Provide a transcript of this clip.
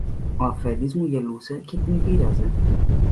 Ο αφέντης μου γελούσε και την πείραζε.